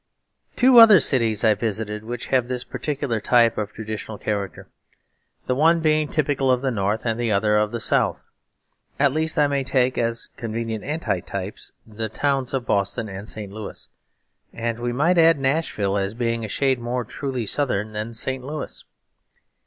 Two other cities I visited which have this particular type of traditional character, the one being typical of the North and the other of the South. At least I may take as convenient anti types the towns of Boston and St. Louis; and we might add Nashville as being a shade more truly southern than St. Louis.